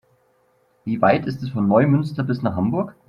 Wie weit ist es von Neumünster bis nach Hamburg?